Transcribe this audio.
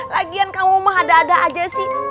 lagian kamu mah ada ada aja sih